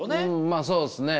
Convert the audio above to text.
まあそうですね。